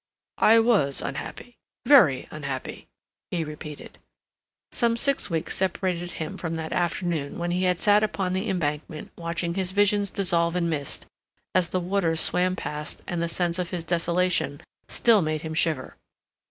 "I was unhappy—very unhappy," he repeated. Some six weeks separated him from that afternoon when he had sat upon the Embankment watching his visions dissolve in mist as the waters swam past and the sense of his desolation still made him shiver.